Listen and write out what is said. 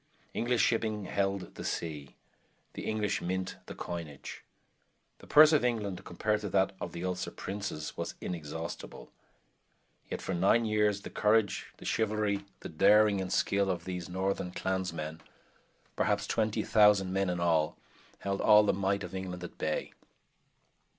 English shipping held the sea; the English mint the coinage. The purse of England, compared to that of the Ulster princes, was inexhaustible. Yet for nine years the courage, the chivalry, the daring and skill of these northern clansmen, perhaps 20,000 men in all, held all the might of England at bay.